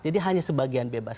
jadi hanya sebagian bebas